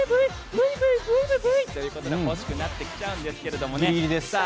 ブイブイブイブイ。ということで欲しくなってきちゃうんですけどギリギリです。